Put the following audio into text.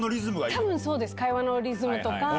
たぶんそうです、会話のリズムとか。